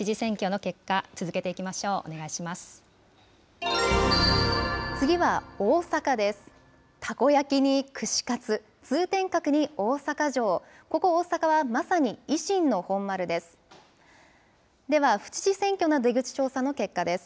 ここ大阪はまさに維新の本丸です。